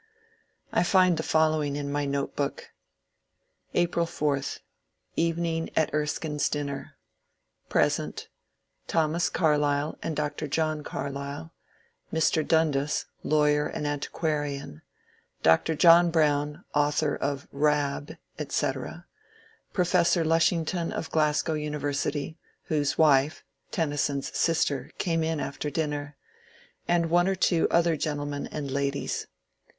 I find the following in my note book :— April 4. Evening at Erskine's dinner. Present : Thomas Carlyle and Dr. John Carlyle ; Mr. Dundas, lawyer and anti Juarian ; Dr. John Brown, author of " Kab," etc. ; Professor iushington of Glasgow University, whose wife (Tennyson's sister) came in after dinner ; and one or two other gentlemen and ladies.